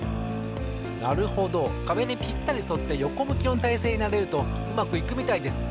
なるほどかべにぴったりそってよこむきのたいせいになれるとうまくいくみたいです。